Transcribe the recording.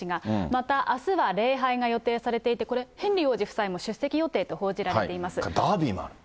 またあすは礼拝が予定されていて、これ、ヘンリー王子夫妻も出席予ダービーもある。